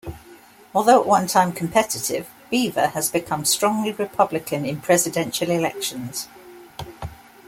Although at one time competitive, Beaver has become strongly Republican in Presidential elections.